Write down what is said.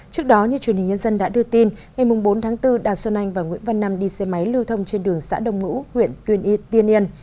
trước đó như truyền hình nhân dân đã đưa tin ngày bốn tháng bốn đào xuân anh và nguyễn văn năm đi xe máy lưu thông trên đường xã đông ngũ huyện tuyên yên tiên yên